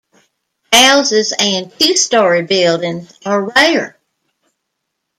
Houses and two-story buildings are rare.